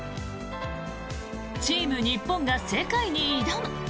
チーム日本が世界に挑む！